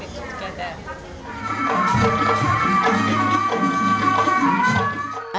dan semua ibu ibu kita bersama